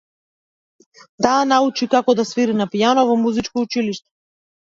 Таа научи како да свири на пијано во музичко училиште.